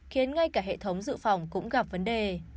khiến ngay cả hệ thống dự phòng cũng gặp vấn đề